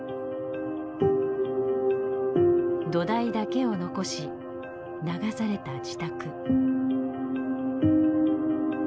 土台だけを残し流された自宅。